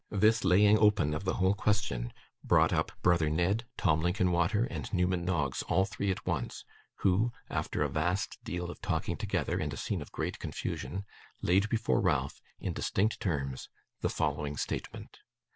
This laying open of the whole question brought up brother Ned, Tim Linkinwater, and Newman Noggs, all three at once; who, after a vast deal of talking together, and a scene of great confusion, laid before Ralph, in distinct terms, the following statement.